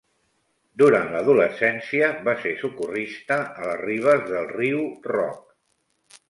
Durant l'adolescència va ser socorrista a les ribes del riu Rock.